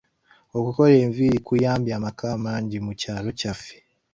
Okukola enviiri kuyambye amaka mangi mu kyalo kyaffe.